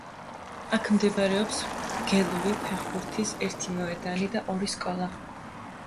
აქ მდებარეობს გელური ფეხბურთის ერთი მოედანი და ორი სკოლა.